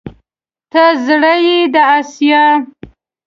ته زړه يې د اسيا